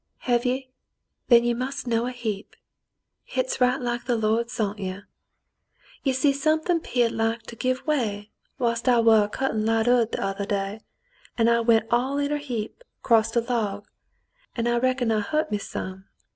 "Hev ye? Then ye must know a heap. Hit's right like th' Lord sont ye. You see suthin' 'peared like to give Yv^ay whilst I war a cuttin' light 'ud th' othah day, an' I went all er a heap 'crost a log, an' I reckon hit hurt me some.